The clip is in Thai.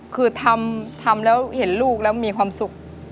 คือทำแล้วเห็นลูกแล้วมีความสุข